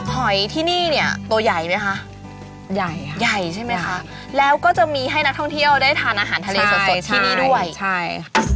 หอยที่นี่เนี่ยตัวใหญ่ไหมคะใหญ่ค่ะใหญ่ใช่ไหมคะแล้วก็จะมีให้นักท่องเที่ยวได้ทานอาหารทะเลสดสดที่นี่ด้วยใช่